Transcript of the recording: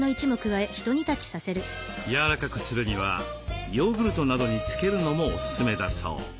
やわらかくするにはヨーグルトなどに漬けるのもおすすめだそう。